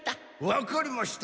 わかりました。